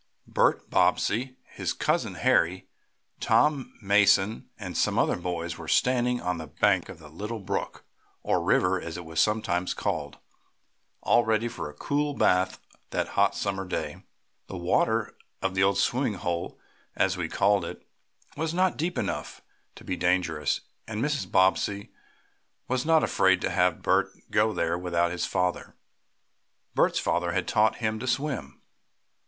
Bert Bobbsey, his cousin Harry, Tom Mason and some other boys were standing on the bank of the little brook, or river, as it was sometimes called, all ready for a cool bath that hot summer day. The water of the "old swimming hole," as it was called, was not deep enough to be dangerous, and Mrs. Bobbsey was not afraid to have Bert go there without his father. Bert's father had taught him to swim.